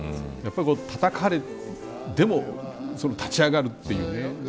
たたかれても立ち上がるという。